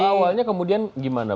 itu awalnya kemudian gimana